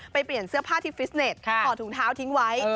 เปลี่ยนเสื้อผ้าที่ฟิสเน็ตถอดถุงเท้าทิ้งไว้